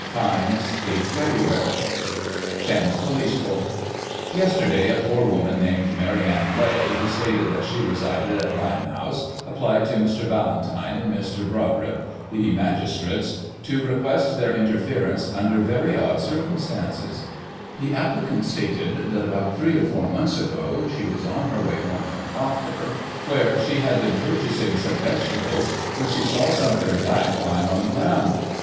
— Times, 8 Feb. : Thames Police Court. — ^Yesterday, a poor woman, named Mary Ann Blay, who stated that she resided at Lime house, applied to Mr. Ballantyne and Mr. Broderip, the magis trates, to request their interference under very odd circum Digiti ized by Google 1838] LORD JOHN RUSSELL'S HAT. 31 stances. The applicant stated that, about three or four months ago, she was on her way home from Poplar, where she had been purchasing some vegetables, when she saw something black lying on the ground.